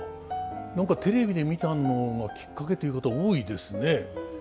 何かテレビで見たのがきっかけという方多いですね。